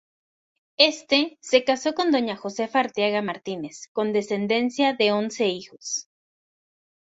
Éste se casó con doña Josefa Arteaga Martínez, con descendencia de once hijos.